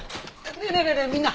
ねえねえねえねえみんな！